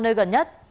nơi gần nhất